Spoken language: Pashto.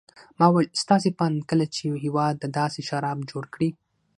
ما وویل: ستاسې په اند کله چې یو هېواد داسې شراب جوړ کړي.